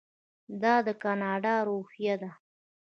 دا د کاناډا روحیه ده.